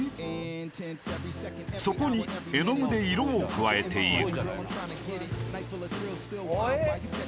［そこに絵の具で色を加えていく］